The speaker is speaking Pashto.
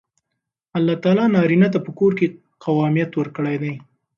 الله تعالی نارینه ته په کور کې قوامیت ورکړی دی.